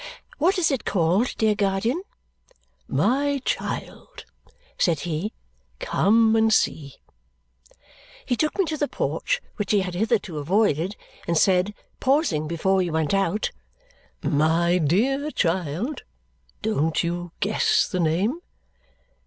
"What is it called, dear guardian?" "My child," said he, "come and see," He took me to the porch, which he had hitherto avoided, and said, pausing before we went out, "My dear child, don't you guess the name?"